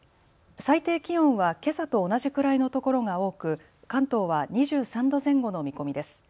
最低気温はけさと同じくらいのところが多く関東は２３度前後の見込みです。